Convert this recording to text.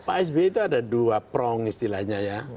pak sby itu ada dua prong istilahnya ya